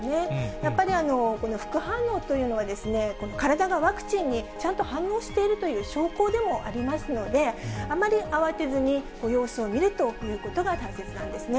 やっぱり、この副反応というのは、体がワクチンにちゃんと反応しているという証拠でもありますので、あまり慌てずに、様子を見るということが大切なんですね。